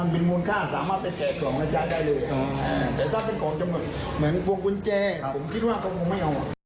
ผมคิดว่าก็คงไม่เอา